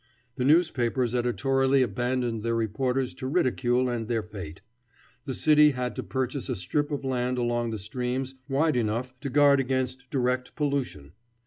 The newspapers editorially abandoned their reporters to ridicule and their fate. The city had to purchase a strip of land along the streams wide enough to guard against direct pollution.